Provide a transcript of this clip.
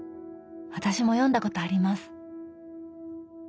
私も読んだことあります。